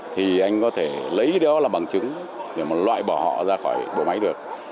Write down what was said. thì anh có thể lấy đó là bằng chứng để loại bỏ họ ra khỏi bộ máy được